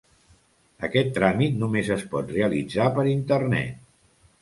Aquest tràmit només es pot realitzar per Internet.